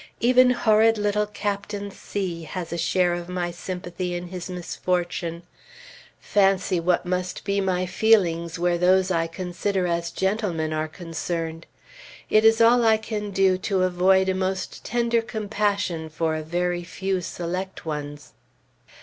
Even horrid little Captain C has a share of my sympathy in his misfortune! Fancy what must be my feelings where those I consider as gentlemen are concerned! It is all I can do to avoid a most tender compassion for a very few select ones.